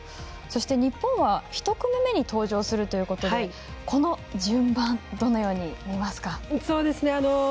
日本は、１組目に登場するということでこの順番どのようにみますか？